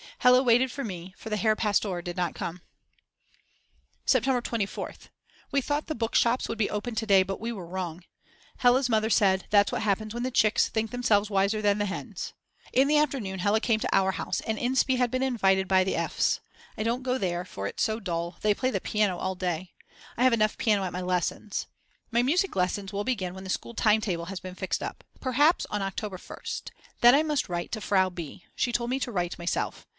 Hella waited for me, for the Herr Pastor did not come. September 24th. We thought the book shops would be open to day but we were wrong. Hella's mother said, that's what happens when the chicks think themselves wiser than the hens. In the afternoon Hella came to our house and Inspee had been invited by the Fs. I don't go there, for it's so dull, they play the piano all day. I have enough piano at my lessons. My music lessons will begin when the school time table has been fixed up. Perhaps on October 1st, then I must write to Frau B., she told me to write myself.